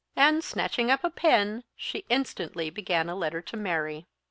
And, snatching up a pen, she instantly began a letter to Mary.